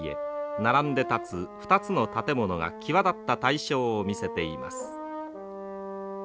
並んで立つ２つの建物が際立った対照を見せています。